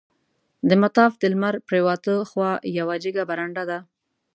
د مطاف د لمر پریواته خوا یوه جګه برنډه ده.